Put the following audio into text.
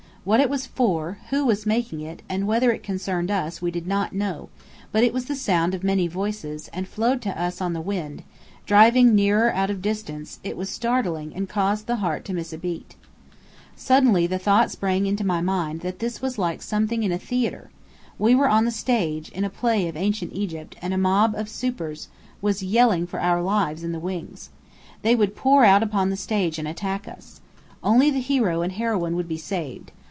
What it was for, who was making it, and whether it concerned us, we did not know; but it was the sound of many voices, and flowing to us on the wind, driving nearer out of distance, it was startling and caused the heart to miss a beat. Suddenly the thought sprang into my mind that this was like something in a theatre. We were on the stage, in a play of Ancient Egypt, and a mob of supers was yelling for our lives in the wings. They would pour out upon the stage and attack us. Only the hero and heroine would be saved.